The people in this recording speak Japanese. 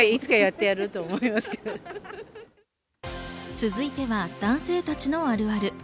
続いては男性たちのあるある。